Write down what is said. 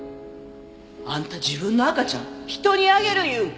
あんた自分の赤ちゃん人にあげるいうんか？